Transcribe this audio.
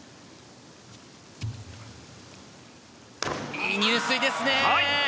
いい入水ですね。